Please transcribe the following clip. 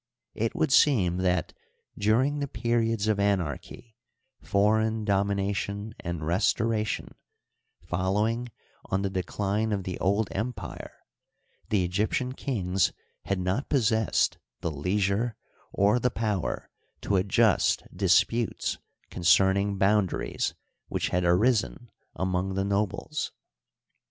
It would seem that, during the periods of anarchy, foreign domination, and restoration, following on the decline of the Old Empire, the Egyptian kings had not possessed the leisure or the power to adjust disputes concerning bound aries which had arisen among the nobles.